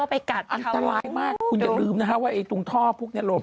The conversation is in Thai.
อันตรายมากคุณอย่าลืมว่าตรงท่อพวกนี้หลบ